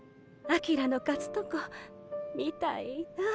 翔の勝つとこ見たいなあ。